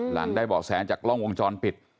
หลังได้เบาะแสจากกล้องวงจรปิด